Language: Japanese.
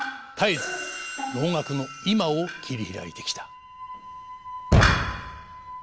絶えず能楽の“今”を切り開いてきた。